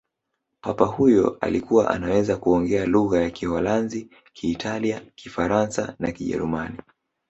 papa huyo alikuwa anaweza kuongea lugha ya kiholanzi kiitalia kifaransa na kijerumani